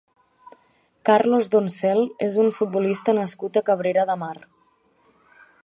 Carlos Doncel és un futbolista nascut a Cabrera de Mar.